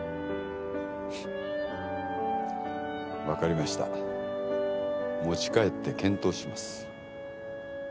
分かりました持ち帰って検討します